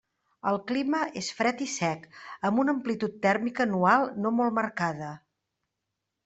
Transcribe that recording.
El clima és fred i sec, amb una amplitud tèrmica anual no molt marcada.